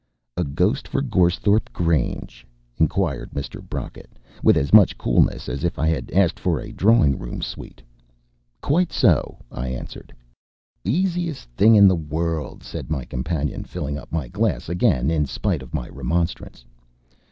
"A ghost for Goresthorpe Grange?" inquired Mr. Brocket, with as much coolness as if I had asked for a drawing room suite. "Quite so," I answered. "Easiest thing in the world," said my companion, filling up my glass again in spite of my remonstrance.